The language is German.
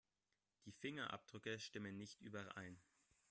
Die Fingerabdrücke stimmen nicht überein.